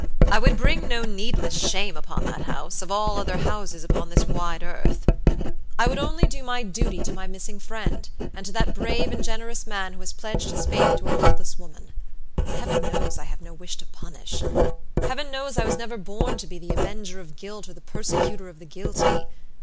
I would bring no needless shame upon that house, of all other houses upon this wide earth. I would only do my duty to my missing friend, and to that brave and generous man who has pledged his faith to a worthless woman. Heaven knows I have no wish to punish. Heaven knows I was never born to be the avenger of guilt or the persecutor of the guilty.